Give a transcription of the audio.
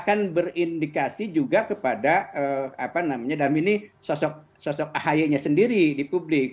akan berindikasi juga kepada apa namanya dalam ini sosok ahy nya sendiri di publik